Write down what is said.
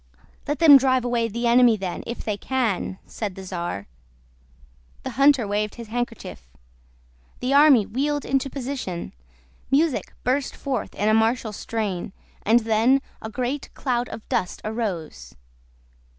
"Let them drive away the enemy then, if they can," said the czar. The hunter waved his handkerchief. The army wheeled into position; music burst forth in a martial strain, and then a great cloud of dust arose.